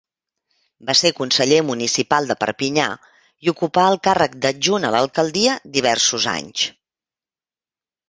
Va ser conseller municipal de Perpinyà, i ocupà el càrrec d'adjunt a l'alcaldia diversos anys.